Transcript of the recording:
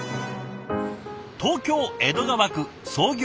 東京・江戸川区創業